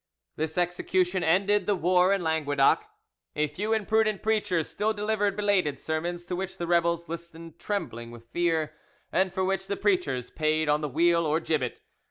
This execution ended the war in Languedoc. A few imprudent preachers still delivered belated sermons, to which the rebels listened trembling with fear, and for which the preachers paid on the wheel or gibbet.